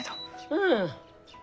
うん。